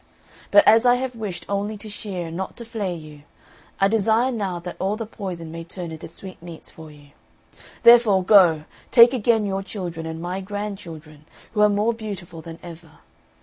But as I have wished only to shear and not to flay you, I desire now that all the poison may turn into sweetmeats for you. Therefore, go, take again your children and my grandchildren, who are more beautiful than ever.